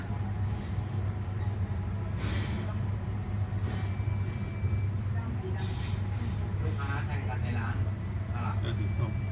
ลูกค้าแทงกันในร้าน